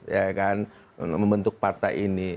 ya kan membentuk partai ini